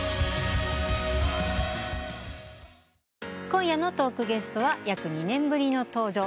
今夜のトークゲストは約２年ぶりの登場ＳｉｘＴＯＮＥＳ